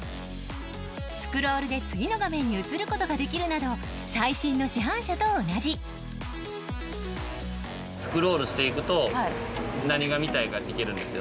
スクロールで次の画面に移ることができるなど最新の市販車と同じスクロールしていくと何が見たいかっていけるんですよ。